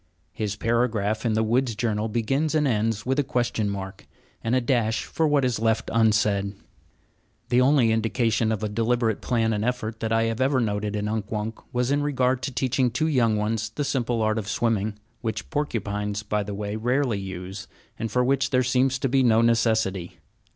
His paragraph in the woods' journal begins and ends with a question mark, and a dash for what is left unsaid. The only indication of deliberate plan and effort that I have ever noted in Unk Wunk was in regard to teaching two young ones the simple art of swimming, which porcupines, by the way, rarely use, and for which there seems to be no necessity.